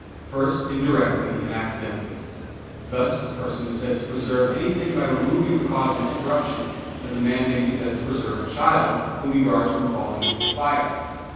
First, indirectly, and accidentally; thus a person is said to preserve anything by removing the cause of its corruption, as a man may be said to preserve a child, whom he guards from falling into the fire.